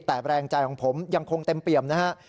แต่แรงใจของผมยังคงเต็มเปี่ยมนะฮะ